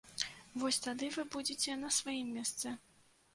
Вось тады вы будзеце на сваім месцы.